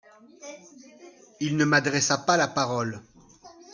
Il ne m’adressa pas la parole.